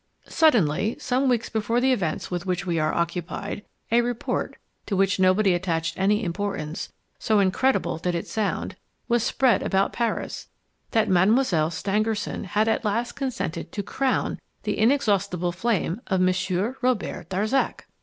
Suddenly, some weeks before the events with which we are occupied, a report to which nobody attached any importance, so incredible did it sound was spread about Paris, that Mademoiselle Stangerson had at last consented to "crown" the inextinguishable flame of Monsieur Robert Darzac!